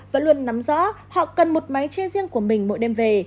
vẫn luôn nắm rõ họ cần một máy che riêng của mình mỗi đêm về